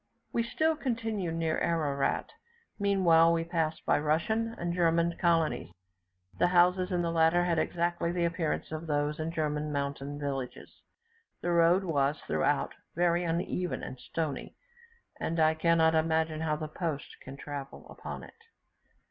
We still continued near Ararat; meanwhile we passed by Russian and German colonies, the houses in the latter had exactly the appearance of those in German mountain villages. The road was, throughout, very uneven and stony, and I cannot imagine how the post can travel upon it.